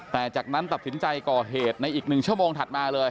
แต่จากนั้นตัดสินใจก่อเหตุในอีก๑ชั่วโมงถัดมาเลย